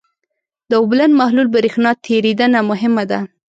د اوبلن محلول برېښنا تیریدنه مهمه ده.